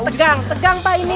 tegang tegang pak ini